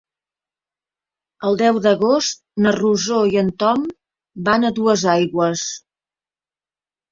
El deu d'agost na Rosó i en Tom van a Duesaigües.